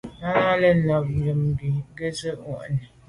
Nana lɛ̂n á nə yǒbkwì gə zí’ mwα̂ʼnì.